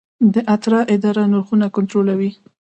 د اترا اداره نرخونه کنټرولوي؟